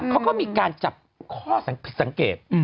เขาก็มีการจับข้อผิดสังเกต